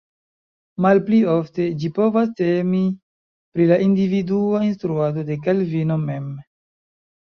Malpli ofte, ĝi povas temi pri la individua instruado de Kalvino mem.